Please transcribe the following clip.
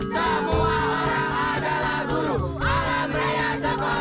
semua orang adalah guru alam raya